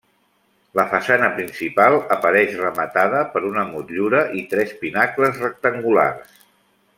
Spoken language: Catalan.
La façana principal apareix rematada per una motllura i tres pinacles rectangulars.